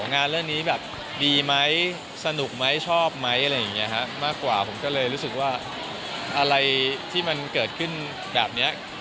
งานเรื่องนี้แบบดีไหมสนุกไหมชอบไหมอะไรอย่างเงี้ยฮะมากกว่าผมก็เลยรู้สึกว่าอะไรที่มันเกิดขึ้นแบบเนี้ย